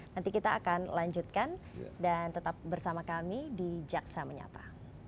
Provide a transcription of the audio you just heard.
nanti kita akan lanjutkan dan tetap bersama kami di jaksa menyapa